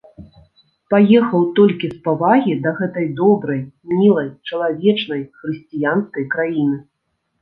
Паехаў толькі з павагі да гэтай добрай, мілай, чалавечнай, хрысціянскай краіны!